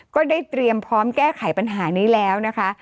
ก็ได้เตรียมพร้อมแก้ไขปัญหานี้แล้วนะคะ